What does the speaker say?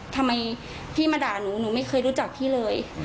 ทำไมพี่มาด่าหนูหนูไม่เคยรู้จักพี่เลย